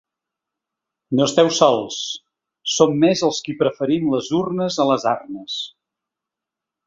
No esteu sols: som més els qui preferim les urnes a les arnes.